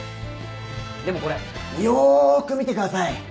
でもこれよく見てください。